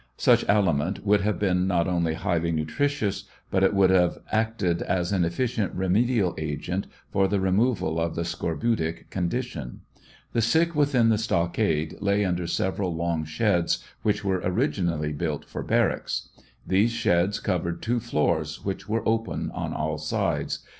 Such aliment would have been not only highly nutricious, but it would also have acted as an efficient remedial agent for the removal of the scorbutic condition. The sick within the stockade lay under several long sheds which were originally built for barracks. These sheds covered two floors which were open on all sides.